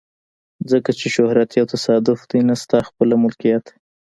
ځکه چې شهرت یو تصادف دی نه ستا خپله ملکیت.